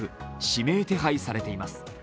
指名手配されています。